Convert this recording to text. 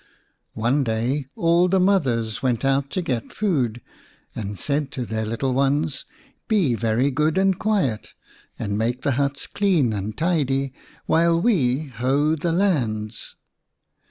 One day all the mothers went out to get food, and said to their little ones, " Be very good and quiet, and make the huts clean and tidy while we hoe the lands."